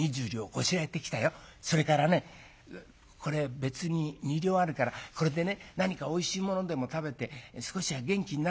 それからねこれ別に２両あるからこれでね何かおいしいものでも食べて少しは元気になっておくれよ。